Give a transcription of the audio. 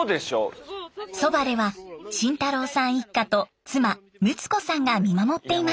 そばでは真太郎さん一家と妻むつ子さんが見守っています。